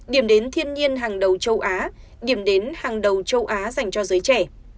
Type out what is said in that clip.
điểm đến thiên nhiên hàng đầu châu á điểm đến hàng đầu châu á dành cho giới trẻ